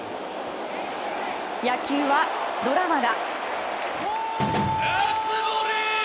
野球はドラマだ。